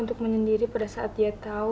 untuk menyendiri pada saat dia tahu